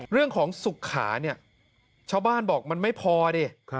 เรื่องของสุขาเนี่ยชาวบ้านบอกมันไม่พอดิ